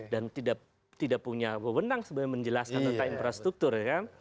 dan tidak punya wewenang sebenarnya menjelaskan tentang infrastruktur